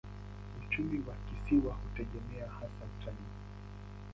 Uchumi wa kisiwa hutegemea hasa utalii.